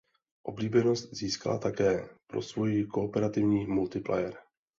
Oblíbenost získala také pro svůj kooperativní multiplayer.